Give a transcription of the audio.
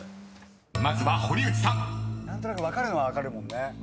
［まずは堀内さん］分かるのは分かるもんね。